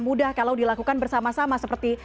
mudah kalau dilakukan bersama sama seperti